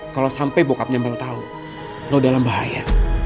kalau sampai bokapnya mel tau lo dalam bahaya